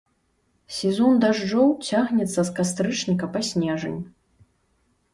Сезон дажджоў цягнецца з кастрычніка па снежань.